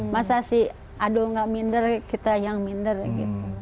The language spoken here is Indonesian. masa sih adul gak minder kita yang minder gitu